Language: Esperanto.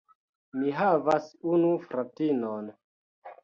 Mi havas unu fratinon.